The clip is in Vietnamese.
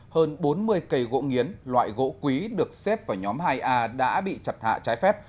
hơn bốn mươi cây gỗ nghiến loại gỗ quý được xếp vào nhóm hai a đã bị chặt hạ trái phép